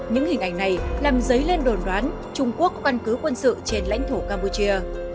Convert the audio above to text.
những hình ảnh này làm dấy lên đồn đoán trung quốc căn cứ quân sự trên lãnh thổ campuchia